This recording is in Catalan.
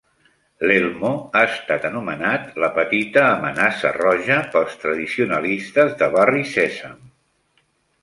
L'Elmo ha estat anomenat la "petita amenaça roja" pels tradicionalistes de Barri Sèsam.